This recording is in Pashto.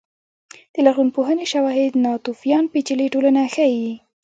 د لرغونپوهنې شواهد ناتوفیان پېچلې ټولنه ښيي.